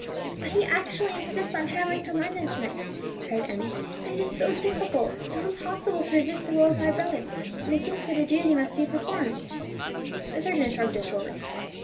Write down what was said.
"But he actually insists on travelling to London to night," cried Emmie; "and it is so difficult, so impossible to resist the will of my brother when he thinks that a duty must be performed." The surgeon shrugged his shoulders.